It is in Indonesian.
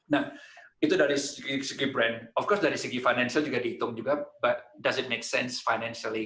nah itu dari segi brand of course dari segi financial juga dihitung juga it make sense financially